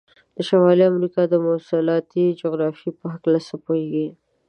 د شمالي امریکا د مواصلاتي جغرافیې په هلکه څه پوهیږئ؟